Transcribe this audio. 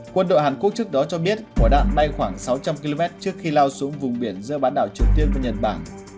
quân đội hàn quốc trước đó cho biết quả đạn bay khoảng sáu trăm linh km trước khi lao xuống vùng biển giữa bán đảo triều tiên và nhật bản